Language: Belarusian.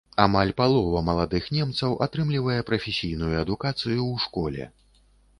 Амаль палова маладых немцаў атрымлівае прафесійную адукацыю ў школе.